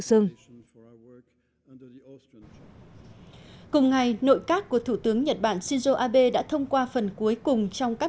cùng ngày nội các của thủ tướng nhật bản shinzo abe đã thông qua phần cuối cùng trong các